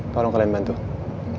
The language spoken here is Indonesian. tolong kalian bantu ya